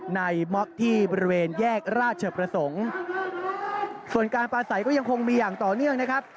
ม็อกที่บริเวณแยกราชประสงค์ส่วนการปลาใสก็ยังคงมีอย่างต่อเนื่องนะครับ